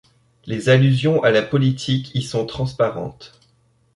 Les allusions à la politique y sont transparentes.